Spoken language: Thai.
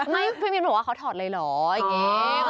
พี่มิ้นบอกว่าเขาถอดเลยเหรออย่างนี้